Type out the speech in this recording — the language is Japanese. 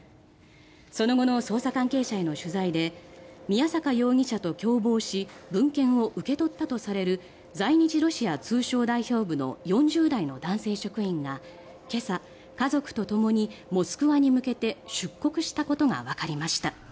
その後の捜査関係者への取材で宮坂容疑者と共謀し文献を受け取ったとされる在日ロシア通商代表部の４０代の男性職員が今朝、家族とともにモスクワに向けて出国したことがわかりました。